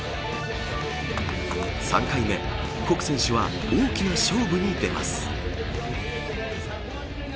３回目、谷選手は大きな勝負に出ます。